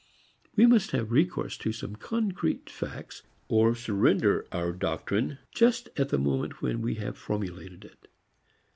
We must have recourse to some concrete facts or surrender our doctrine just at the moment when we have formulated it.